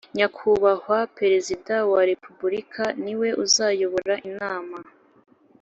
Nyakubahwa Perezida wa Repubulika niwe uzayobora inama.